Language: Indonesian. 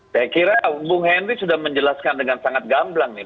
saya kira bung henry sudah menjelaskan dengan sangat gamblang nih